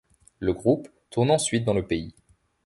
Le groupe tourne ensuite dans le pays.